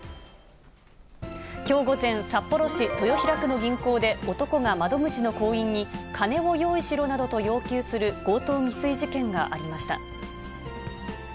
きょう午前、札幌市豊平区の銀行で、男が窓口の行員に、金を用意しろなどと要求する強盗未遂事件がありました。